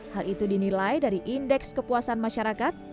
hal itu dinilai dari indeks kepuasan masyarakat